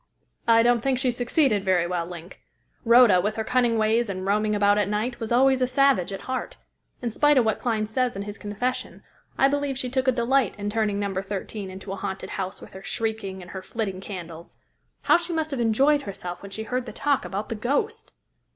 "I don't think she succeeded very well, Link. Rhoda, with her cunning ways and roaming about at night, was always a savage at heart. In spite of what Clyne says in his confession, I believe she took a delight in turning No. 13 into a haunted house with her shrieking and her flitting candles. How she must have enjoyed herself when she heard the talk about the ghost!"